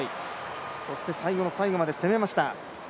そして、最後の最後まで攻めました。